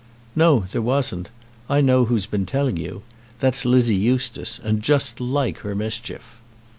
"No, there wasn't. I know who has been telling you. That's Lizzie Eustace, and just like her mischief.